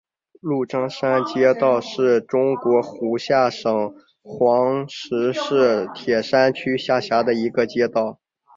鹿獐山街道是中国湖北省黄石市铁山区下辖的一个街道。